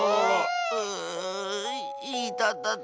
ううういたたた。